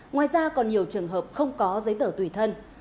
ngoài ra còn nhiều trường hợp không có giấy tờ tùy thân